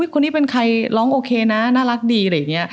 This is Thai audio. คนนี้เป็นใครร้องโอเคนะน่ารักดี